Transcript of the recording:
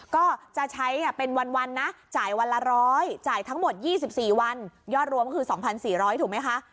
ก็จะใช้เป็นวันนะจ่ายวันละ๑๐๐จ่ายทั้งหมด๒๔วันยอดรวมคือ๒๔๐๐ถูกไหมคะ